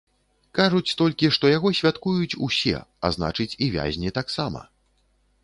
Кажуць толькі, што яго святкуюць усе, а значыць, і вязні таксама.